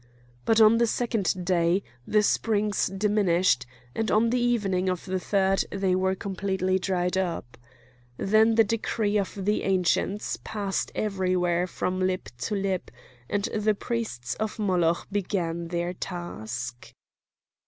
But on the second day the springs diminished, and on the evening of the third they were completely dried up. Then the decree of the Ancients passed everywhere from lip to lip, and the priests of Moloch began their task.